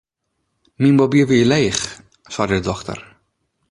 Myn mobyl wie leech, sei de dochter.